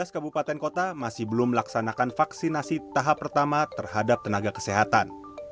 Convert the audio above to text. tujuh belas kabupaten kota masih belum melaksanakan vaksinasi tahap pertama terhadap tenaga kesehatan